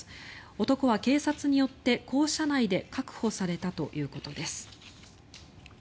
男は警察によって校舎内で確保されたということです。